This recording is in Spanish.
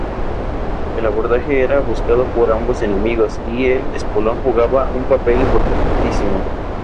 El abordaje era buscado por ambos enemigos y el espolón jugaba un papel importantísimo.